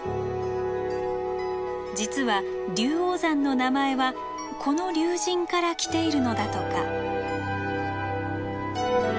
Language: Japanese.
実は「龍王山」の名前はこの龍神から来ているのだとか。